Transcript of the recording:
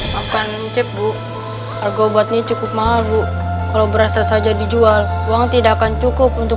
makan cep buk algo buatnya cukup mahal bu kalau berasa saja dijual uang tidak akan cukup untuk